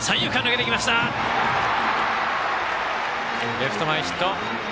レフト前ヒット。